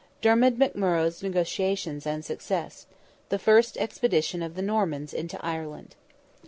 DERMID McMURROGH'S NEGOTIATIONS AND SUCCESS—THE FIRST EXPEDITION OF THE NORMANS INTO IRELAND.